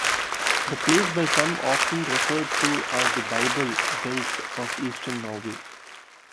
The place by some often referred to as the Bible belt of eastern Norway.